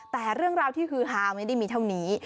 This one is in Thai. แต่เรื่องราวที่ฮือฮาไม่ได้มีเท่านี้